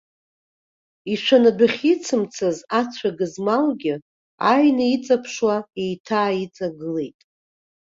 Ишәаны адәахьы ицымцаз ацәа гызмалгьы ааины иҵаԥшуа еиҭааиҵагылеит.